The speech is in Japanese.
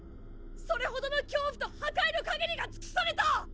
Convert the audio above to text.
それほどの恐怖と破壊の限りが尽くされた！！